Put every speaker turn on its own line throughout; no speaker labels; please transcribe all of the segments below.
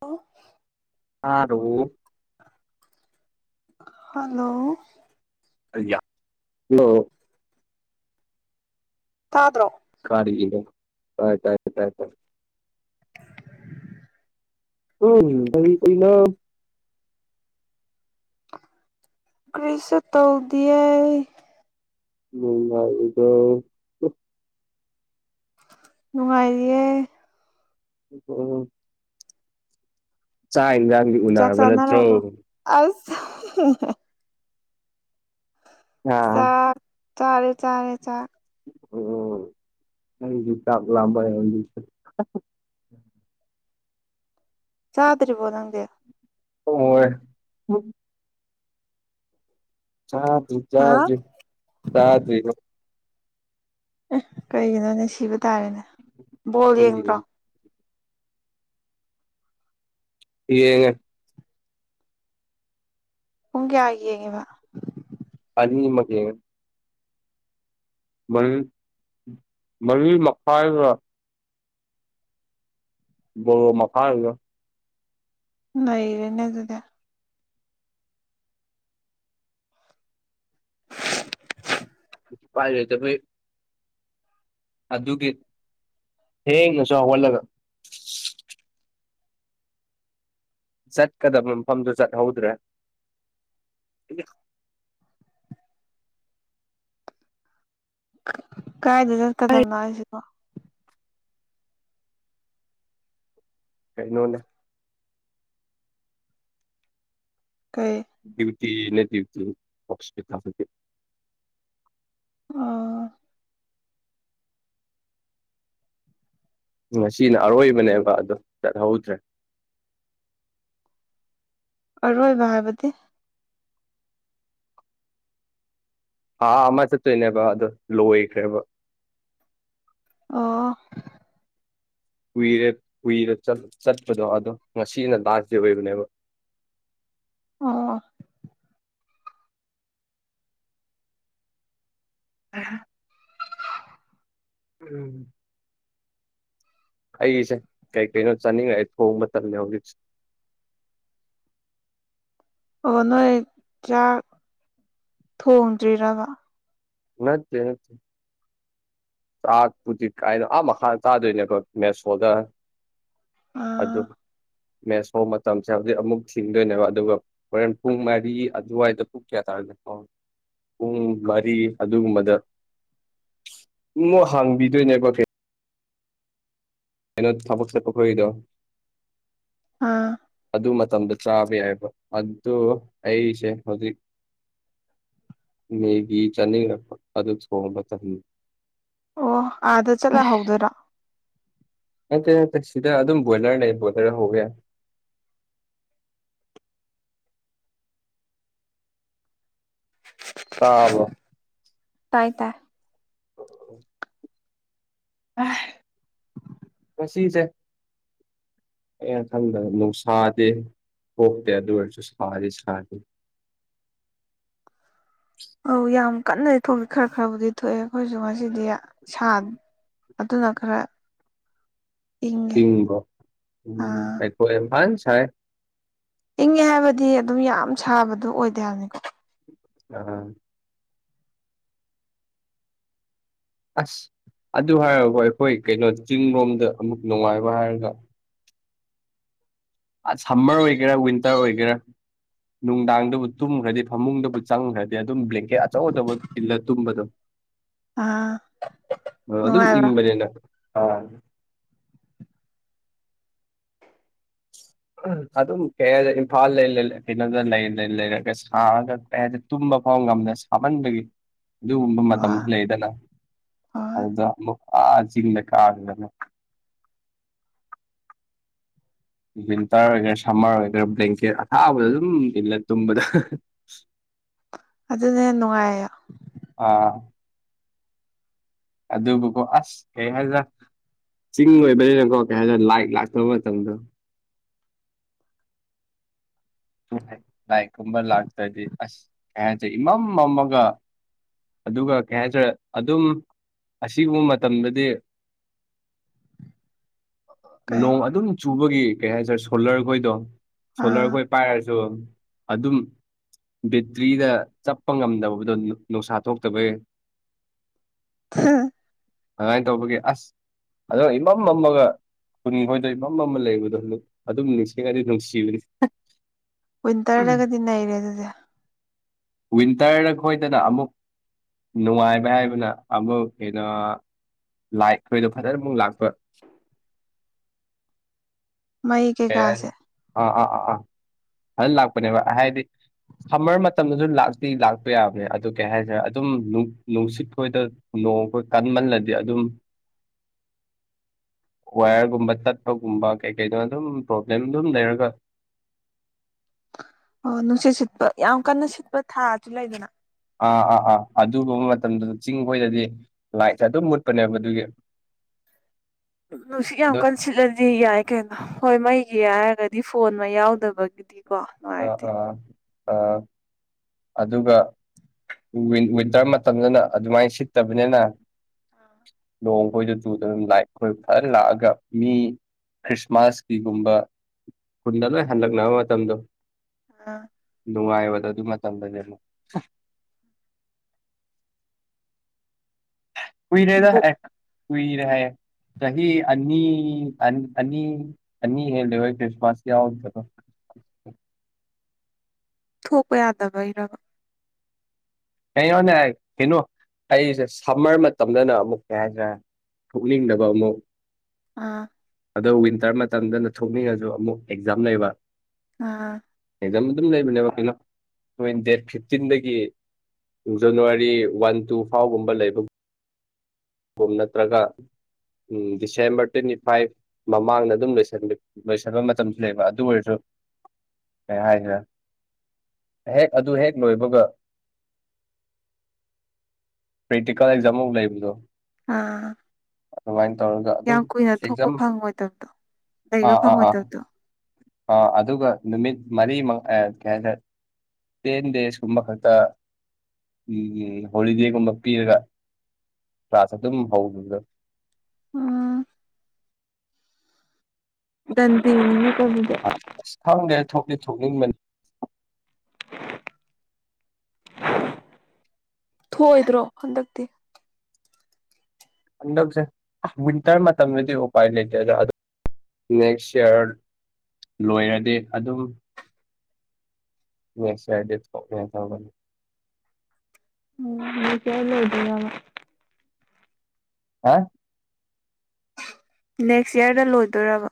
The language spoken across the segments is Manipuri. ꯍꯜꯂꯣ
ꯇꯥꯗꯕꯣ
ꯍꯜꯂꯣ
ꯑꯌꯥ ꯍꯂꯣ
ꯇꯥꯗ꯭ꯔꯣ
ꯀꯥꯔꯒꯤꯗ ꯇꯥꯏ ꯇꯥꯏ ꯇꯥꯏ ꯇꯥꯏ ꯎꯝ ꯗꯦꯔꯤꯛ ꯑꯣꯏꯅ
ꯀ꯭ꯔꯤꯁꯨ ꯇꯧꯗꯤꯌꯦ
ꯅꯨꯡꯉꯥꯏꯔꯤꯕꯣ
ꯅꯨꯡꯉꯥꯏꯔꯤꯌꯦ
ꯑꯣ ꯑꯣ ꯆꯥꯏꯌꯥ
ꯆꯥꯛ ꯆꯥꯅꯔꯕꯣ ꯑꯁ
ꯑꯥ
ꯆꯥꯛ ꯆꯥꯔꯦ ꯆꯥꯔꯦ ꯆꯥꯛ
ꯑꯣ ꯑꯩꯁꯨ ꯆꯥꯛ ꯂꯝꯕ
ꯆꯥꯗ꯭ꯔꯤꯕꯣ ꯅꯪꯗꯤ
ꯍꯣꯏ ꯆꯥꯗ꯭ꯔꯤ
ꯍꯥ
ꯆꯥꯗ꯭ꯔꯤ ꯆꯥꯗ꯭ꯔꯤꯗ
ꯑꯦ ꯀꯩꯒꯤꯅꯣꯅꯦ ꯁꯤꯕ ꯇꯥꯔꯦꯅꯦ ꯕꯣꯜ ꯌꯦꯡꯗ꯭ꯔꯣ
ꯎꯝ ꯌꯦꯡꯉꯦ꯫
ꯄꯨꯡ ꯀꯌꯥ ꯌꯦꯡꯉꯤꯕ
ꯑꯅꯤꯃꯛ ꯌꯦꯡꯉꯦ꯫ ꯃꯔꯤ ꯃꯔꯤ ꯃꯀꯥꯏꯂ ꯚꯔꫭ ꯃꯀꯥꯏꯒ
ꯅꯩꯔꯦꯅꯦ ꯑꯗꯨꯗꯤ
ꯄꯥꯏ ꯂꯩꯇꯕꯩ ꯑꯗꯨꯒꯤ ꯊꯦꯡꯅꯁꯨ ꯍꯧꯍꯜꯂꯒ ꯆꯠꯀꯗꯕ ꯃꯐꯝꯗꯨ ꯆꯠꯍꯧꯗ꯭ꯔꯦ
ꯀꯥꯏꯗ ꯆꯠꯀꯗꯝꯅꯣ ꯍꯥꯏꯁꯤꯕꯣ
ꯀꯩꯅꯣꯅꯦ
ꯀꯩ
ꯗ꯭ꯌꯨꯇꯤ ꯅ ꯗ꯭ꯌꯨꯇꯤ ꯑꯣꯁꯄꯤꯇꯥꯜꯗꯒꯤ
ꯑꯣꯥ
ꯉꯁꯤꯅ ꯑꯔꯣꯏꯕꯅꯦꯕ ꯑꯗꯣ ꯆꯠꯍꯧꯗ꯭ꯔꯦ
ꯑꯔꯣꯏꯕ ꯍꯥꯏꯕꯗꯤ
ꯑꯥꯥ ꯑꯃ ꯆꯠꯇꯣꯏꯅꯦꯕ ꯑꯗ ꯂꯣꯏꯈ꯭ꯔꯦꯕ
ꯑꯣ
ꯀꯨꯏꯔꯦ ꯀꯨꯏꯔ ꯆꯠ ꯆꯠꯄꯗꯣ ꯑꯗꯣ ꯉꯁꯤꯅ ꯂꯥꯁ ꯗꯦ ꯑꯣꯏꯕꯅꯦꯕ
ꯑꫭ
ꯑꯍ ꯎꯝ ꯑꯩꯁꯦ ꯀꯩ ꯀꯩꯅꯣ ꯆꯥꯅꯤꯡꯉꯛꯑꯦ ꯊꯣꯡ ꯃꯇꯝꯅꯦ ꯍꯧꯖꯤꯛꯁꯦ
ꯑꯣ ꯅꯣꯏ ꯆꯥꯛ ꯊꯣꯡꯗ꯭ꯔꯤꯔꯕ
ꯅꯠꯇꯦ ꯅꯠ ꯆꯥꯛꯄꯨꯗꯤ ꯀꯥꯏꯅꯣ ꯑꯥ ꯃꯈꯥ ꯆꯥꯗꯣꯏꯅꯦꯀꯣ ꯃꯦꯁꯣꯜꯗ
ꯑꯥ
ꯑꯗꫭ ꯃꯦꯁꯐꯧ [unintelligible] ꯑꯃꯨꯛ ꯊꯤꯡꯗꯣꯏꯅꯦꯕ ꯑꯗꯨꯒ ꯍꯣꯔꯦꯟ ꯄꯨꯡ ꯃꯔꯤ ꯑꯗꯨꯋꯥꯏꯗ ꯄꯨꯡ ꯀꯌꯥ ꯇꯥꯔꯒꯦ ꯑꫭ ꯄꯨꯡ ꯃꯔꯤ ꯑꯗꯨꯒꯨꯝꯕꯗ ꯉꫭ ꯍꯪꯕꯤꯗꯣꯏꯅꯦꯒꫭꯇꯦ ꯑꯩꯅ ꯊꯕꯛ ꯆꯠꯄ ꯈꫭꯏꯗꯣ
ꯑ
ꯑꯗꯨ ꯃꯇꯝꯗ ꯆꯥꯕ ꯌꯥꯏꯕ ꯑꯗꫭ ꯑꯩꯁꯦ ꯍꯧꯖꯤꯛ ꯃꯦꯒꯤ ꯆꯅꯤꯡꯔꯛꯄ ꯑꯗꫭ ꯊꫭꯡꯕ ꯇꯟ
ꯑꯣ ꯑꯥꯗ ꯆꯠꯂ ꯍꯧꯗꯣꯏꯔꫭ
ꯅꯠꯇꯦ ꯅꯠꯇꯦ ꯁꯤꯗ ꯑꯗꯨꯝ ꯕꯣꯏꯂꯔ ꯂꯩ ꯕꯣꯏꯂꯔ ꯍꯧꯕ ꯌꯥꯏ ꯇꯥꯕ꯭ꯔꫭ
ꯇꯥꯏ ꯇꯥ
[unintelligible] [unintelligible] ꯆꯤꯟꯆꯦ ꯑꯩ ꯈꯟꯗ ꯅꯨꯡꯁꯥꯗꯦ ꯀꯣꯛꯇꯦ ꯑꯗꯨ ꯑꯣꯏꯔꯁꯨ ꯁꯥꯗꯤ ꯁꯥꯅꯤ
ꯑꯧ ꯌꯥꯝ ꯀꯟꯅꯗꯤ ꯊꯣꯛ ꯈꯔ ꯈꯔꯕꯨꯗꯤ ꯊꯣꯛꯑꯦ ꯑꯩꯈꯣꯏꯖꯨ ꯉꯁꯤꯗꯤ ꯁꯥꯟ ꯑꯗꯨꯅ ꯈꯔ ꯏꯪꯉꯦ
ꯏꯪꯕ꯭ꯔꫭ ꯎꯝ
ꯑꯥ
ꯑꯩꯈꯣꯏ ꯏꯝꯐꯥꯟ ꯁꯥꯏ
ꯏꯪꯉꯦ ꯍꯥꯏꯕꯗꯤ ꯑꯗꯨꯝ ꯌꯥꯝ ꯁꯥꯕꯗꯣ ꯑꯣꯏꯗꯦ ꯍꯥꯏꯝꯅꯤꯀꯣ
ꯑ ꯑꯁ ꯑꯗꯨ ꯍꯥꯏꯔꯒꯀꫭ ꯑꯩꯈꯣꯏ ꯀꯩꯅꯣ ꯆꯤꯡꯔꯣꯝꯗ ꯑꯃꯨꯛ ꯅꯨꯡꯉꯥꯏꯕ ꯍꯥꯏꯔꯒ ꯑ ꯁꯝꯃꯔ ꯑꯣꯏꯒꯦꯔꯥ ꯋꯤꯟꯇꯔ ꯑꯣꯏꯒꯦꯔꯥ ꯅꯨꯡꯗꯥꯡꯗꯕꯨ ꯇꯨꯝꯈ꯭ꯔꯗꯤ ꯐꯃꯨꯡꯗꯕꯨ ꯆꯪꯈ꯭ꯔꯗꯤ ꯑꯗꯨꯝ ꯕ꯭ꯂꯦꯡꯀꯦꯠ ꯑꯆꯧ ꯑꯆꯧꯕ ꯇꯤꯜꯂ ꯇꯨꯝꯕꯗꯣ
ꯑꯥ
ꯑꯥꯑꯗꯨꯝ
ꯅꯨꯡꯉꯥꯏꯕ꯭ꯔꯥ
ꯏꯪꯕꯅꯦꯅ ꯑ ꯎ ꯑꯗꯨꯝ ꯀꯩ ꯍꯥꯏꯅ ꯏꯝꯐꯥꯜ ꯂꯩ ꯀꯩꯅꯣꯗ ꯂꯩ ꯂꯩꯔꯒ ꯁꯔꯒ ꯀꯩ ꯍꯥꯏꯅꯤ ꯇꯨꯝꯕ ꯐꯥꯎ ꯉꯝꯗꯦ ꯁꯥꯃꯟꯕꯒꯤ ꯑꯗꯨꯒꯨꯝꯕ
ꯍꯣꯏ
ꯃꯇꯝꯁꯨ ꯂꯩꯗꯅ
ꯍꯣꯏ
ꯑꯗꯨꯗ ꯑꯃꯨꯛ ꯑꯥ ꯆꯤꯡꯗ ꯀꯥꯗꯅ ꯋꯤꯟꯇꯔ ꯑꯣꯏꯒꯦꯔꯥ ꯁꯝꯃꯔ ꯑꯣꯏꯒꯦꯔꯥ ꯕ꯭ꯂꯦꯡꯀꯦꯠ ꯑꯊꯥꯕꯗꯣ ꯑꯗꯨꯝ ꯏꯜꯂꯥ ꯇꯨꯝꯕꯗ
ꯑꯗꯨꯅꯥ ꯍꯦꯟ ꯅꯨꯡꯉꯥꯏꯌꯣ
ꯑꯥ ꯑꯗꯨꯕꯨꯀꯣ ꯑꯁ ꯀꯩ ꯍꯥꯏꯖꯤꯔꯥ ꯆꯤꯡ ꯑꯣꯏꯕꯅꯤꯅꯀꯣ ꯀꯩ ꯍꯥꯏꯔꯦ ꯂꯥꯏ ꯂꯥꯛꯇꯕ ꯃꯇꯝꯗꯣ ꯂꯥꯏꯠ ꯀꯨꯝꯕ ꯂꯥꯛꯇ꯭ꯔꯗꯤ ꯑꯁ ꯀꯩ ꯍꯥꯏꯁꯦ ꯏꯃꯝ ꯃꯝꯃꯒꯥ ꯑꯗꯨꯒ ꯀꯩ ꯍꯥꯏꯇꯥꯔꯦ ꯑꯗꯨꯝ ꯑꯁꯤꯒꯨꯝꯕ ꯃꯇꯝꯗꯗꯤ [unintelligible]
ꯀꯩ
ꯅꯣꯡ ꯑꯗꯨꯝ ꯆꯨꯕꯒꯤ ꯀꯩ ꯍꯥꯏꯇꯥꯔꯦ ꯁꯣꯂꯔ ꯈꯣꯏꯗꯣ ꯁꯣꯂꯔ
ꯑꯥ
ꯈꯣꯏ ꯄꯥꯏꯔ ꯗꯣ ꯑꯗꯨꯝ ꯕꯦꯇ꯭ꯔꯤꯗ ꯆꯠꯄ ꯉꯝꯗꯕꯗꯣ ꯅꯨꯡꯁꯥ ꯊꯣꯛꯇꯕꯩ
ꯍ
ꯑꯗꯨꯃꯥꯏꯅ ꯇꯧꯕꯒꯤ ꯑꯁ ꯑꯗꯋꯥꯏ ꯏꯃꯝ ꯃꯝꯃꯒ ꯀꯨꯟ ꯈꯣꯏꯗꯣꯏ ꯏꯃꯝ ꯃꯝꯃꯒ ꯂꯩꯕꯗꯣ ꯑꯗꯨꯝ ꯅꯤꯡꯁꯤꯡꯉꯗꯤ ꯅꯨꯡꯁꯤꯕꯅꯤ
ꯋꯤꯟꯇꯔꯗꯒꯗꯤ ꯅꯩꯔꯦ ꯑꯗꯨꯗꯤ
ꯋꯤꯟꯇꯔꯗ ꯑꯩ ꯈꯣꯏꯗꯅ ꯑꯃꯨꯛ ꯅꯨꯡꯉꯥꯏꯕ ꯍꯥꯏꯕꯅ ꯑꯃꯨꯛ ꯍꯦꯟꯅ ꯂꯥꯏꯠ ꯑꯩꯈꯣꯏꯗꯣ ꯐꯖꯅ ꯑꯃꯨꯛ ꯂꯥꯛꯄ
ꯃꯩ
ꯀꯩ ꯍꯥꯏꯅꯤ
ꯀꯩꯀꯥꯁꯦ
ꯑꯥ ꯑꯥ ꯑꯥ ꯑꯥ ꯐꯖꯅ ꯂꯥꯛꯄꯅꯦꯕ ꯍꯥꯏꯗꯤ ꯁꯝꯃꯔ ꯃꯇꯝꯗꯁꯨ ꯂꯥꯛꯇꯤ ꯂꯥꯛꯄ ꯌꯥꯕꯅꯦ ꯑꯗꯨ ꯀꯩ ꯍꯥꯏꯁꯤꯔꯥ ꯑꯗꯨꯝ ꯅꯨꯡꯁꯤꯠ ꯈꯣꯏꯗ ꯅꯣꯡꯈꯣꯏ ꯀꯟꯃꯜꯂꯗꯤ ꯑꯗꯨꯝ ꯋꯥꯌꯔꯒꯨꯝꯕ ꯇꯠꯄꯒꯨꯝꯕ ꯀꯩ ꯀꯩꯩꯅꯣ ꯑꯗꯨꯝ ꯄ꯭ꯔꯣꯕ꯭ꯂꯦꯝ ꯑꯗꯨꯝ ꯂꯩꯔꯒ
ꯑꯣ ꯅꯨꯡꯁꯤꯠ ꯁꯤꯠꯄ ꯌꯥꯝ ꯀꯟꯅ ꯁꯤꯠꯄ ꯊꯥꯁꯨ ꯂꯩꯗꯅ
ꯑꯥ ꯑꯥ ꯑꯥ ꯑꯗꯨꯒꯨꯝꯕ ꯃꯇꯝꯗꯨꯗ ꯆꯤꯡꯈꯣꯏꯗꯗꯤ ꯂꯥꯏꯠꯁꯦ ꯑꯗꯨꯝ ꯃꯨꯠꯄꯅꯦꯕ ꯑꯗꯨꯒꯤ [unintelligible]
ꯅꯨꯡꯁꯤꯠ ꯌꯥꯝ
ꯑꯗꯣ
ꯀꯥꯟ ꯁꯤꯠꯂꯗꯤ ꯌꯥꯏ ꯀꯩꯅꯣ ꯍꯣꯏ ꯃꯩꯒꯤ ꯍꯥꯏꯔꯒꯗꯤ ꯐꯣꯟ ꯃꯩ ꯌꯥꯎꯗꯕꯒꯤꯗꯤ
ꯑꯥ ꯑꯥ ꯑꯥ ꯑꯗꯨꯒ ꯋꯤꯟꯇꯔ ꯃꯇꯝꯗꯅ ꯑꯗꯨꯃꯥꯏꯅ ꯁꯤꯠꯇꯕꯅꯤꯅ ꯅꯣꯡꯈꯣꯏꯗꯨ ꯆꯨꯗꯅ ꯑꯗꯨꯝ ꯂꯥꯛꯠ ꯍꯣꯏ ꯐꯖꯅ ꯂꯥꯛꯑꯒ ꯃꯤ ꯈ꯭ꯔꯤꯁꯃꯥꯁꯀꯤꯒꯨꯝꯕ ꯈꯨꯟꯗ ꯂꯣꯏ ꯍꯜꯂꯛꯅꯕ ꯃꯇꯝꯗꯣ
ꯑꯥ
ꯅꯨꯡꯉꯥꯏꯕꯗꯣ ꯑꯗꯨ ꯃꯇꯝꯗꯨꯅꯦ ꯑꯃꯨꯛ ꯀꯨꯏꯔꯦ ꯗꯥ
ꯕꯨꯛ
ꯑꯦ ꯀꯨꯏꯔꯦ ꯍꯥꯏꯌꯦ ꯆꯍꯤ ꯑꯅꯤ ꯑꯅꯤ ꯑꯅꯤ ꯍꯦꯟꯂꯦꯕ ꯀ꯭ꯔꯤꯁꯃꯁ ꯌꯥꯎꯗꯕ
ꯊꯣꯛꯄ ꯌꯥꯗꯕꯩꯔꯕ
ꯀꯩꯅꯦ ꯀꯩꯅꯣ ꯑꯩꯁꯦ ꯁꯝꯃꯔ ꯃꯇꯝꯗꯅ ꯑꯃꯨꯛ ꯀꯩ ꯍꯥꯏꯇꯥꯔꯦ ꯊꯣꯛꯅꯤꯡꯗꯕ ꯑꯃꯨꯛ
ꯑꯥ
ꯑꯗꯣ ꯋꯤꯟꯇꯔ ꯃꯇꯝꯗꯅ ꯊꯣꯛꯅꯤꯡꯉꯁꯨ ꯑꯃꯨꯛ ꯑꯦꯛꯖꯥꯝ ꯂꯩꯕ
ꯑꯥ
ꯑꯦꯛꯖꯝ ꯑꯗꯨꯝ ꯂꯩꯕꯅꯦꯕ ꯀꯩꯅꯣ [unintelligible] ꯗꯦꯠ ꯐꯤꯐꯇꯤꯟꯗꯒꯤ ꯖꯅꯋꯥꯔꯤ ꯋꯥꯟ ꯇꯨ ꯐꯥꯎꯒꯨꯝꯕ ꯂꯩꯕ [unintelligible] ꯅꯠꯇ꯭ꯔꯒ ꯎꯝ ꯗꯤꯁꯦꯝꯕꯔ ꯇ꯭ꯋꯦꯟꯇꯤ ꯐꯥꯏꯚ ꯃꯃꯥꯡꯗ ꯑꯗꯨꯝ ꯂ‌ꯣꯏꯁꯟꯕꯤ ꯂꯣꯏꯁꯤꯟꯕ ꯃꯇꯝꯁꯨꯅ‌ꯦꯕ ꯑꯗꯨ ꯑꯣꯏꯔꯁꯨ ꯀꯩ ꯍꯥꯏ [unintelligible] ꯍꯦꯛ ꯑꯗꯨ ꯍꯦꯛ ꯂꯣꯏꯕꯒ ꯄ꯭ꯔꯦꯛꯇꯤꯀꯦꯜ ꯑꯦꯛꯖꯥꯝ ꯃꯨꯛ ꯂꯩꯕꯗꯣ
ꯑꯥ
ꯑꯗꯨꯃꯥꯏꯟ ꯇꯧꯔꯒ ꯑꯗꯨꯝ
ꯌꯥꯝ ꯀꯨꯏꯅ ꯊꯣꯛꯄ
ꯑꯦꯛꯖꯝ
ꯐꯪꯉꯣꯏꯗꯕꯗꯣ ꯂꯩꯕ
ꯑꯥ ꯑꯥ ꯑꯥ
ꯐꯪꯉꯣꯏꯗꯕꯗꯣ
ꯑ ꯑꯗꯨꯒ ꯅꯨꯃꯤꯠ ꯃꯔꯤ ꯃ ꯑꯦ ꯀꯩ ꯍꯥꯏꯇꯥꯔ ꯇꯦꯟ ꯗꯦꯖꯀꯨꯝꯕ ꯈꯛꯇ ꯎꯝ ꯍꯣꯂꯤꯗꯦꯒꯨꯝꯕ ꯄꯤꯔꯒ ꯀ꯭ꯂꯥꯁ ꯑꯗꯨꯝ ꯍꯧꯈꯤꯕꯗ‌ꯣ
ꯎꯝ ꯗꯥꯟꯗꯤꯅꯤꯅ‌ꯦꯀ‌ꯣ ꯗꯨ
ꯑ ꯑꯁ ꯈꯪꯗꯦ ꯊꯣꯛꯇꯤ ꯊꯣꯛꯅꯤꯡꯕꯟ
ꯊꯣꯑꯣꯏꯗ꯭ꯔꯣ ꯍꯟꯗꯛꯇꯤ
ꯍꯟꯗꯛꯁꯦ ꯑꯥ ꯋꯤꯟꯇꯔ ꯃꯇꯝꯗꯨꯗꯤ ꯎꯄꯥꯏ ꯂꯩꯇꯦꯗ [inaudible] ꯅꯦꯛꯁ ꯏꯌꯥꯔ ꯂꯣꯏꯔꯗꯤ ꯑꯗꯨꯝ ꯅꯦꯛꯁ ꯏꯌꯔꯗ‌ꯦ ꯊ‌ꯣꯛꯅ‌ꯦ ꯇꯧꯕꯟ
ꯅ‌ꯣꯏ [unintelligible] ꯂꯩꯗꯣꯏꯅ‌ꯣꯕ
ꯍꯥ
ꯅꯦꯛꯁ ꯏꯌꯥꯔꯗ ꯂꯣꯏꯗꯣꯏꯔꯕ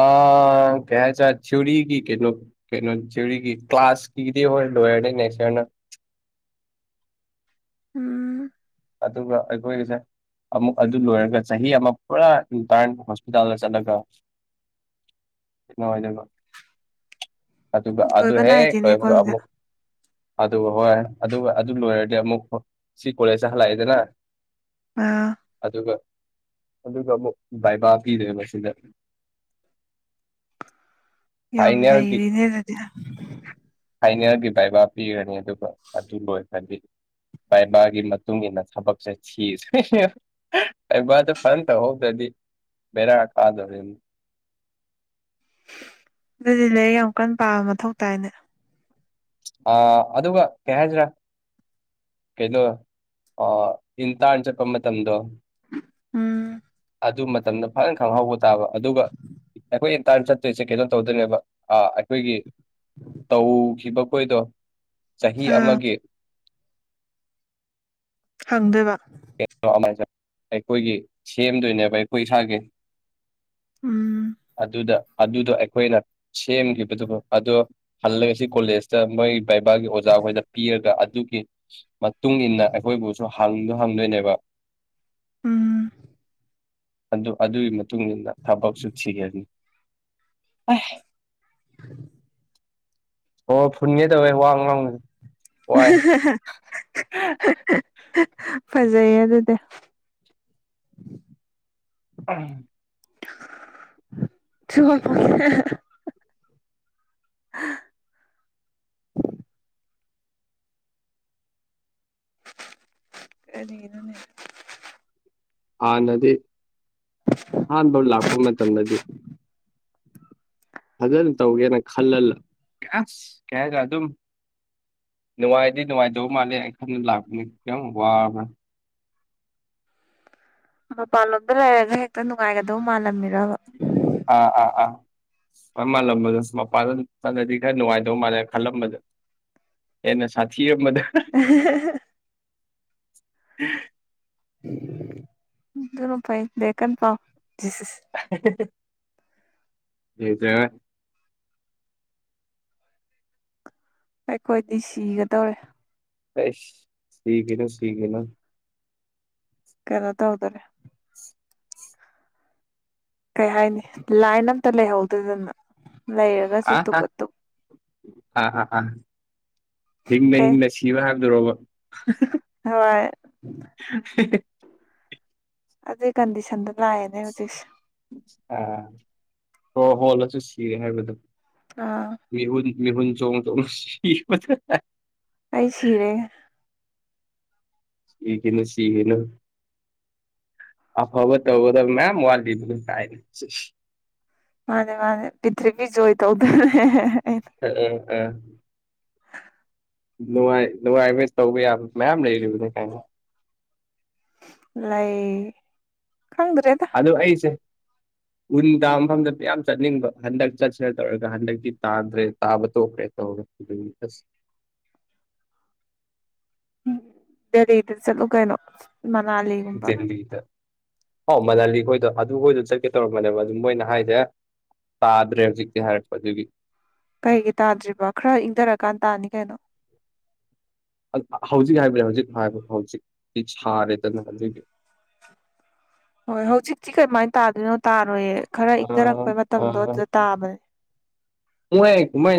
ꯑꯥ ꯀꯩ ꯍꯥꯏꯇꯥꯔ ꯊꯤꯌ‌ꯣꯔꯤꯒꯤ ꯀꯩꯅ‌ꯣ ꯀꯩꯅꯣ ꯊꯤꯌ‌ꯣꯔꯤꯒꯤ ꯀ꯭ꯂꯥꯁꯀꯤꯗꯤ ꯍ‌ꯣꯏ ꯂꯣꯏꯔꯅꯤ ꯅ‌ꯦꯛꯁ ꯏꯌꯥꯔꯅ
ꯎꯝ
ꯑꯗꯨꯒ ꯑꯩꯈꯣꯏꯒꯤꯁꯦ ꯑꯃꯨꯛ ꯑꯗꯨ ꯂꯣꯏꯔꯒ ꯆꯍꯤ ꯑꯃ ꯄꯨꯔꯥ ꯏꯟꯇ꯭ꯔꯟ ꯍꯣꯁꯄꯤꯇꯥꯜꯗ ꯆꯠꯂꯒ [unintelligible] ꯗ ꯑꯗꯨꯒ ꯑꯗꯨ
ꯂꯣꯏꯕ
ꯍꯦꯛ
ꯅꯥꯏꯗꯦꯅꯦꯀꯣ
ꯂ‌ꯣꯏꯕꯒ
ꯑꯗꯨꯗꯤ
ꯑꯃꯨꯛ ꯑꯗꯨ ꯍꯣꯏ ꯑꯗꯨꯒ ꯑꯗꯨ ꯂꯣꯏꯔꯗꯤ ꯑꯃꯨꯛ ꯁꯤ ꯀꯣꯂꯦꯖꯇ ꯍꯜꯂꯛꯑꯦꯗꯅ
ꯑꯥ
ꯑꯗꯨꯒ ꯑꯗꯨꯒ ꯑꯃꯨꯛ ꯕꯥꯏꯕꯥ ꯄꯤꯗꯣꯏꯕ ꯁꯤꯗ
ꯌꯥꯝ
ꯐꯥꯏꯅꯦꯜ ꯒꯤ
ꯅꯩꯔꯤꯅꯦ ꯑꯗꯨꯗꯤ
ꯐꯥꯏꯅ‌ꯦꯜꯒꯤ ꯕꯥꯏꯕꯥ ꯄꯤꯔꯅꯤ ꯑꯗꯨꯒ ꯑꯗꯨ ꯂꯣꯏꯈ꯭ꯔꯗꯤ ꯕꯥꯏꯕꯥꯒꯤ ꯃ ꯇꯨꯡ ꯏꯟꯅ ꯊꯕꯛꯁꯦ [unintelligible] ꯕꯥꯏꯕꯥꯗ‌ꯣ ꯐꯖꯟ ꯇꯧꯍꯧꯗ꯭ꯔꯗꯤ ꯕ‌ꯦꯔꯥ ꯀꯥꯗ‌ꯣꯔꯤꯝ
ꯑꯗꯨꯗꯤ ꯂꯥꯏꯔꯤꯛ ꯌꯥꯝ ꯀꯟ ꯄꯥꯕ ꯃꯊꯧ ꯇꯥꯏꯅꯦ
ꯑ ꯑꯗꯨꯒ ꯀꯩ ꯍꯥꯏꯖꯤꯔꯥ ꯀꯩꯅꯣ ꯑ ꯏꯟꯇꯥ꯭ꯔꯟ ꯆꯠꯄ ꯃꯇꯝꯗꯣ
ꯎꯝ
ꯑꯗꯨ ꯃꯇꯝꯗ ꯐꯖꯟ ꯈꯪꯍꯧꯕ ꯇꯥꯕ ꯑꯗꯨꯒ ꯑꯩꯈꯣꯏ ꯏꯟ ꯇꯥꯔꯟ ꯆꯠꯇꯣꯏꯁꯦ ꯀꯩꯅꯣ ꯇꯧꯗꯣꯏꯅꯦꯕ ꯑ ꯑꯩꯈꯣꯏꯒꯤ ꯇꯧꯈꯤꯕꯈꯣꯏꯗꯣ ꯆꯍꯤ
ꯑꯥ
ꯑꯃꯒꯤ
ꯍꯪꯗ‌ꯣꯏꯕꯥ
[inaudible] ꯑꯩꯈꯣꯏꯒꯤ ꯁꯦꯝꯗꯣꯏꯅꯦꯕ ꯑꯩꯈꯣꯏ ꯏꯁꯥꯒꯤ
ꯎꯝ
ꯑꯗꯨꯗ ꯑꯗꯨꯗꯣ ꯑ ꯈꯣꯏꯅ ꯁꯦꯝꯈꯤꯕꯗꯨꯒ ꯑꯗꯣ ꯍꯜꯂꯒ ꯁꯤ ꯀꯣꯂꯦꯖ ꯆꯡꯕꯩ ꯕꯩꯕꯥꯒꯤ ꯑꯣꯖꯥꯒꯣꯏꯗ ꯄꯤꯔꯒ ꯑꯗꯨꯒꯤ ꯃꯇꯨꯡ ꯏꯟꯅ ꯑꯩꯈꯣꯏꯕꯨꯁꯨ ꯍꯪꯗ ꯍꯪꯗꯣꯏꯅꯦꯕ
ꯎꯝ
ꯑꯗꯨ ꯑꯗꯨꯒꯤ ꯃꯇꯨꯡ ꯏꯟꯅ ꯊꯕꯛꯁꯨ ꯊꯤꯒꯦꯅꯤ ꯑꯣꯏ ꯑꯣ ꯐꯨꯟꯒꯦ ꯇꯧꯋꯦ ꯋꯥꯡ ꯉꯥꯡꯕꯕꯨ
[unintelligible] ꯐꯖꯩꯌꯦ ꯑꯗꯨꯗꯦ
ꯑꯥꯝ
[unintelligible] [inaudible] ꯀꯔꯤꯒꯤꯅꯣꯅꯦ
ꯍꯥꯟꯅꯗꯤ ꯑꯍꯥꯟꯕ ꯂꯥꯛꯄ ꯃꯇꯝꯗꯗꯤ ꯑꯗꯨꯝ ꯇꯧꯒꯦꯅ ꯈꯜꯂꯜ ꯑꯁ ꯀꯩ ꯍꯥꯏꯗ ꯑꯗꯨꯝ ꯅꯨꯡꯉꯥꯏꯗꯤ ꯅꯨꯡꯉꯥꯏꯗꯧ ꯃꯥꯜꯂꯦ ꯑꯩ ꯈꯡꯅ ꯂꯥꯛꯄꯅꯦ ꯀꯤꯌꯡ ꯋꯥꯕꯟ
ꯃꯄꯥꯟꯂꯣꯝꯗ ꯂꯩꯔꯅꯦ ꯍꯦꯛꯇ ꯅꯨꯡꯉꯥꯏꯒꯗꯧ ꯃꯥꯜꯂꯝꯃꯤꯔꯕ
ꯑꯥ ꯑꯥ ꯑꯥ ꯈꯨꯋꯥꯏ ꯃꯥꯜꯂꯝꯕꯗꯣꯁ ꯃꯄꯥꯜꯗ ꯑꯗꯨꯛ ꯆꯠꯂꯗꯤ ꯈꯔ ꯅꯨꯡꯉꯥꯏꯗꯧ ꯃꯥꯜꯂꯦ ꯈꯜꯂꯝꯕꯗ ꯍꯦꯟꯅ ꯁꯥꯊꯤꯔꯝꯕꯗ
[unintelligible] ꯑꯗꯨꯅ ꯐꯩ ꯂꯥꯏꯔꯤꯛꯀꯟ ꯄꯥꯎ
ꯌꯦꯡꯖꯔꯦ
ꯑꯩꯈꯣꯏꯗꯤ ꯁꯤꯒꯗꯧꯔꯦ
ꯑꯩꯏꯁ ꯁꯤꯒꯤꯅꯣ ꯁꯤꯒꯤꯅꯣ
ꯀꯩꯅꯣ ꯇꯧꯗꯔꯦ ꯀꯩ ꯍꯥꯏꯅꯤ ꯂꯥꯏꯟ ꯑꯝꯇ ꯂꯩꯍꯧꯗꯗꯅ ꯂꯩꯔ
ꯍꯤꯡꯅ
ꯀꯩ
ꯍꯤꯡꯅ ꯁꯤꯕ ꯍꯥꯏꯕꯗꯨꯔꯣꯕ
ꯍꯣꯏ
[unintelligible]
ꯑꯗꯨꯏ ꯀꯟꯗꯤꯁꯟꯗ ꯉꯥꯏꯔꯤꯅꯦ ꯍꯧꯖꯤꯛꯁ
ꯑ ꯔꯣ ꯍꯣꯠꯂꯁꯨ ꯁꯤꯔꯦ ꯍꯥꯏꯕꯗꯣ
ꯑꯥ
ꯃꯤꯍꯨꯟ ꯃꯤꯍꯨꯟ ꯆꯣꯡ ꯆꯣꯡ ꯁꯤ ꯐꯖꯟ
ꯑꯩ ꯁꯤꯔꯦ
ꯁꯤꯒꯤꯅꯣ ꯁꯤꯒꯤꯅꯣ ꯑꯐꯕ ꯇꯧꯒꯗꯕ ꯃꯌꯥꯝ ꯋꯥꯠꯂꯤꯕꯅꯦ ꯀꯥꯏꯅ
ꯃꯥꯅꯦ ꯃꯥꯅꯦ ꯄ꯭ꯔꯤꯊꯤꯕꯤ ꯖꯣꯏ ꯇꯧꯗꯨꯏ
ꯑꯑꯡ ꯑ ꯅꯨꯡꯉꯥꯏ ꯅꯨꯡꯉꯥꯏꯃꯤꯁ ꯇꯧꯕ ꯌꯥꯕ ꯃꯌꯥꯝ ꯂꯩꯒꯤꯕꯗꯣ ꯀꯥꯏꯅ
ꯂꯩꯥꯏ ꯈꯪꯗ꯭ꯔꯦꯗ
ꯑꯗꯣ ꯑꯩꯁꯦ ꯎꯟ ꯇꯥ ꯃꯐꯝꯗ ꯄꯌꯥꯝ ꯆꯠꯅꯤꯡꯕ ꯍꯟꯗꯛ ꯆꯠꯁꯤꯔ ꯇꯧꯔꯒ ꯍꯟꯗꯛꯇꯤ ꯇꯥꯗ꯭ꯔꯦ ꯇꯥꯕ ꯀꯣꯛꯈ꯭ꯔꯦ ꯇꯧꯔ [unintelligible] ꯑꯁ
ꯎꯝ ꯗꯦꯂꯤꯗ ꯆꯠꯂꯨ ꯀꯩꯏꯅꯣ ꯅꯔꯂꯦ
ꯗꯦꯜꯂꯤꯗ ꯍꯥꯎ ꯃꯂꯥꯂꯤ ꯍꯣꯏꯗ ꯑꯗꯨꯍꯣꯏꯗ ꯆꯠꯀꯦ ꯇꯧꯔꯝꯕꯅꯦꯕ ꯑꯗꯨꯝ ꯃꯣꯏꯅ ꯍꯥꯏꯗꯦ ꯇꯥꯗ꯭ꯔꯦ ꯍꯧꯖꯤꯛꯇꯤ ꯍꯥꯏꯔꯛꯄ ꯑꯗꯨꯒꯤ
ꯀꯩꯒꯤ ꯇꯥꯗ꯭ꯔꯤꯕ ꯈꯔ ꯏꯪꯗꯔꯀꯥꯟ ꯇꯥꯅꯤ ꯀꯩꯅꯣ
ꯍꯧꯖꯤꯛ ꯍꯥꯏꯕ ꯍꯧꯖꯤꯛ ꯍꯥꯏꯕ ꯍꯧꯖꯤꯛꯇꯤ ꯁꯥꯔꯦꯗꯅ ꯑꯗꯨꯒꯤ
ꯍꯣꯏ ꯍꯧꯖꯤꯛꯇꯤ ꯀꯃꯥꯏꯟ ꯇꯥꯗꯣꯏꯅꯣ ꯇꯥꯔꯣꯏꯌꯦ ꯈꯔ
ꯑ
ꯏꯪꯊꯔꯛꯄꯩ
ꯑ
ꯃꯇꯝꯗꯣ ꯑꯗꯨꯗ ꯇꯥꯕꯅꯦ
ꯃꯣꯏ ꯀꯨꯝꯃꯩꯅ